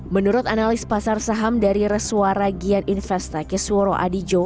menurut analis pasar saham dari reswara gian investasi woro adijo